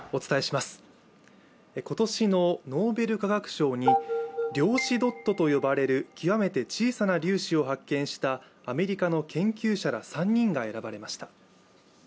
今年のノーベル化学賞に、量子ドットと呼ばれる極めて小さな粒子を発見したアメリカの研究者ら３人が選ばれました。